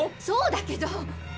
そうだけど。